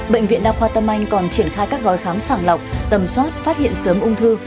bệnh viện đa khoa tâm anh còn triển khai các gói khám sàng lọc tầm soát phát hiện sớm ung thư